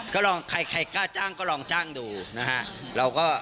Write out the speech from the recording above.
ก็ลองใครกล้าจ้างก็ลองจ้างดูนะฮะ